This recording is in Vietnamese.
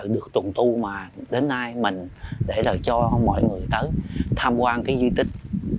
được trùng tu mà đến nay mình để là cho mọi người tới tham quan cái di tích